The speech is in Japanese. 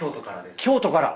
京都から。